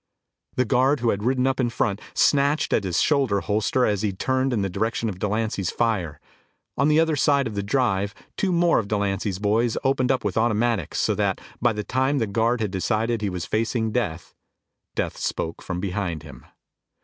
The guard who had ridden up in front snatched at his shoulder holster as he turned in the direction of Delancy's fire. On the other side of the drive, two more of Delancy's boys opened up with automatics, so that by the time the guard had decided he was facing death, death spoke from behind him.